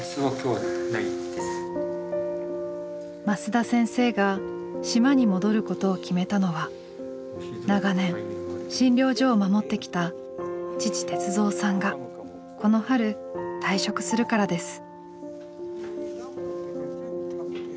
升田先生が島に戻ることを決めたのは長年診療所を守ってきた父鉄三さんがこの春退職するからです。